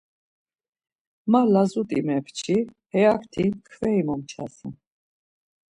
Ma lazut̆i mepçi, heyakti mkferi momçasen.